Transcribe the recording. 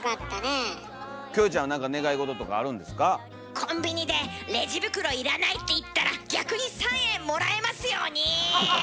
コンビニでレジ袋要らないって言ったら逆に３円もらえますように！